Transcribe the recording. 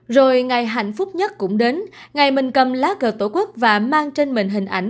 rồi ngày hạnh phúc nhất cũng đến ngày mình cầm lá cờ tổ quốc và mang trên mình hình ảnh